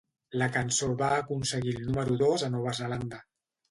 La cançó va aconseguir el número dos a Nova Zelanda.